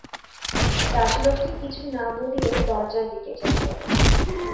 রাজলক্ষ্মী কিছু না বলিয়াই দরজার দিকে চাহিলেন।